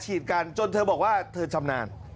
กันจนเธอบอกว่าเธอชำนาญ